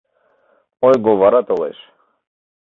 ойго вара толеш.